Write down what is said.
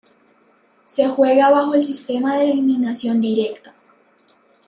Se juega bajo el sistema de eliminación directa.